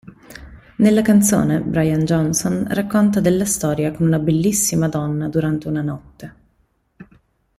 Nella canzone, Brian Johnson racconta della storia con una bellissima donna durante una notte.